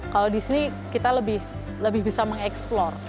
kalau di sini kita lebih bisa mengeksplor